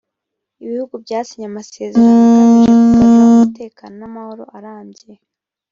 ibihugu byasinye amasezerano agamije kugarura umutekano n’amahoro arambye